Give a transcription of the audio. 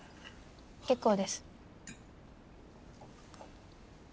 結構です。